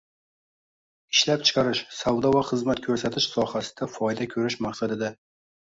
«ishlab-chiqarish, savdo va xizmat ko‘rsatish sohasida foyda ko‘rish maqsadida